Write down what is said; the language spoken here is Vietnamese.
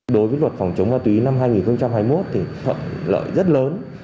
đối với luật phòng chống ma túy năm hai nghìn hai mươi một thì thuận lợi rất lớn